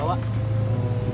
gak usah kak kang